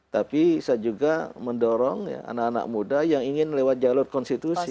tapi saya juga mendorong anak anak muda yang ingin lewat jalur konstitusi